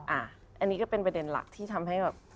อันนี้ก็เป็นประเด็นหลักที่ทำให้แบบ